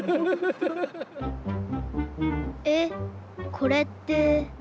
これって。